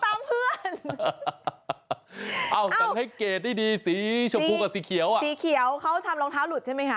เพื่อนเอ้าสังเกตได้ดีสีชมพูกับสีเขียวอ่ะสีเขียวเขาทำรองเท้าหลุดใช่ไหมคะ